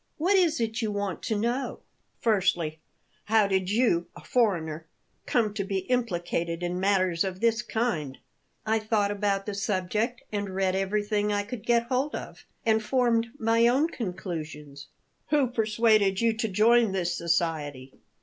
What is it you want to know?" "Firstly, how did you, a foreigner, come to be implicated in matters of this kind?" "I thought about the subject and read everything I could get hold of, and formed my own conclusions." "Who persuaded you to join this society?"